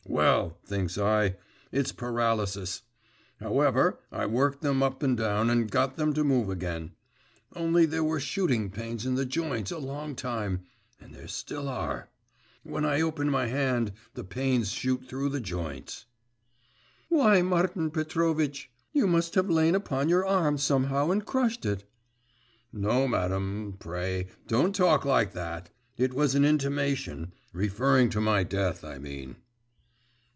Well, thinks I, it's paralysis; however, I worked them up and down, and got them to move again; only there were shooting pains in the joints a long time, and there are still. When I open my hand, the pains shoot through the joints.' 'Why, Martin Petrovitch, you must have lain upon your arm somehow and crushed it.' 'No, madam; pray, don't talk like that! It was an intimation … referring to my death, I mean.